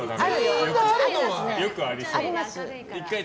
よくありそう。